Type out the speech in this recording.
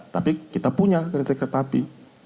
tapi kita punya kereta kereta api